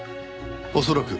恐らく。